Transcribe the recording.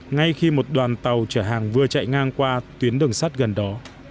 ngay khi một đoàn tàu chở hàng vừa chạy ngang qua tuyến đường sắt gần đó